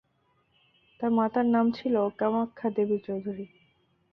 তার মাতার নাম ছিল কামাখ্যা দেবী চৌধুরী।